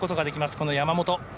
この山本。